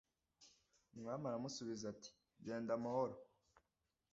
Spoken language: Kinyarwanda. Umwami aramusubiza ati “Genda amahoro.”